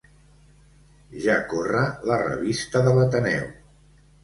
Ja corre la revista de l'Ateneu.